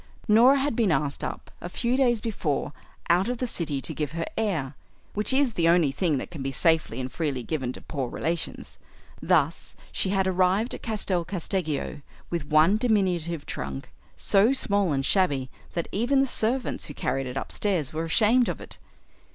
Norah had been asked up a few days before out of the City to give her air which is the only thing that can be safely and freely given to poor relations. Thus she had arrived at Castel Casteggio with one diminutive trunk, so small and shabby that even the servants who carried it upstairs were ashamed of it.